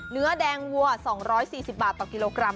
เนื้อแดงวัว๒๔๐บาทต่อกิโลกรัม